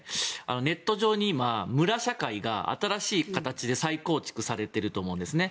ネット上に今、村社会が新しい形で再構築されていると思うんですね。